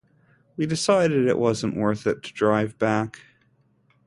We decided it wasn’t worth it to drive back.